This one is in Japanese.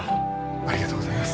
ありがとうございます。